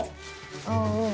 ああうん。